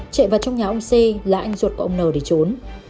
chạy vào trong nhà ông c là anh ruột của ông n để trốn